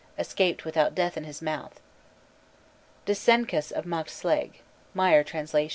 Escaped without death in his mouth." Dinnsenchus of Mag Slecht (Meyer trans.).